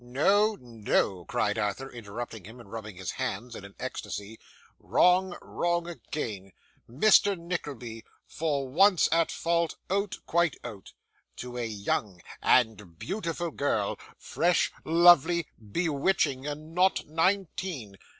'No, No,' cried Arthur, interrupting him, and rubbing his hands in an ecstasy. 'Wrong, wrong again. Mr. Nickleby for once at fault; out, quite out! To a young and beautiful girl; fresh, lovely, bewitching, and not nineteen.